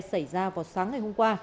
xảy ra vào sáng ngày hôm qua